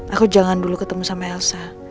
aku jangan dulu ketemu sama elsa